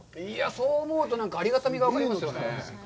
そう思うとありがたみが分かりますよね。